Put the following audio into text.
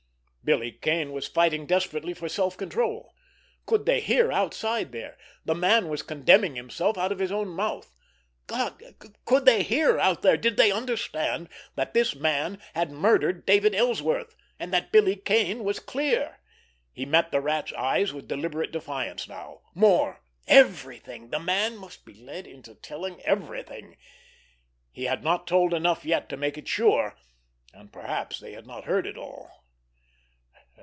Billy Kane was fighting desperately for self control. Could they hear outside there? The man was condemning himself out of his own mouth! God, could they hear out there—did they understand that this man had murdered David Ellsworth, and that Billy Kane was clear! He met the Rat's eyes with deliberate defiance now. More! Everything! The man must be led into telling everything—he had not told enough yet to make it sure—and perhaps they had not heard it all.